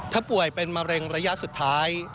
ถ้าป่วยเป็นมะเร็งระยะสุดท้าย